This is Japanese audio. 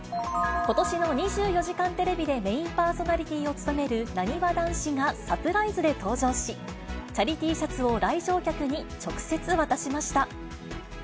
ことしの２４時間テレビでメインパーソナリティーを務めるなにわ男子がサプライズで登場し、チャリＴシャツを来場者に直接渡しました。